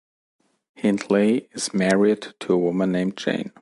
Hindley is married to a woman named Jane.